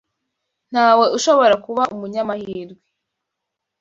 Ntawe ushobora kuba umunyamahirwe.